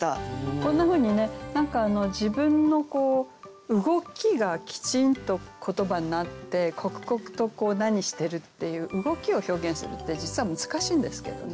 こんなふうにね何か自分の動きがきちんと言葉になって刻々と何してるっていう動きを表現するって実は難しいんですけどね。